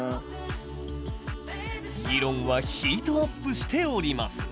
議論はヒートアップしております。